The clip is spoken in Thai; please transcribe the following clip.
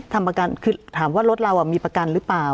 ทำประกันคือถามว่ารถเรามีประกันหรือเปล่า